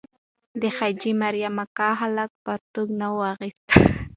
د حاجي مریم اکا هلک پرتوګ نه وو اغوستی.